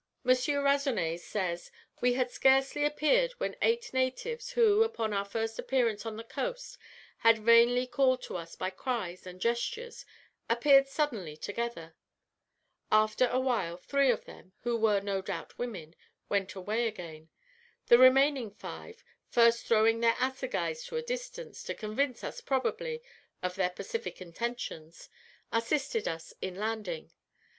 M. Ransonnet says, "We had scarcely appeared when eight natives, who, upon our first appearance on their coast, had vainly called to us by cries and gestures, appeared suddenly together. After awhile three of them, who were no doubt women, went away again. The remaining five, first throwing their assegais to a distance, to convince us, probably, of their pacific intentions, assisted us in landing.